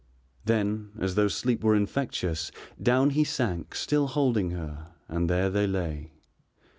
Then, as though sleep were infectious, down he sank still holding her and there they lay.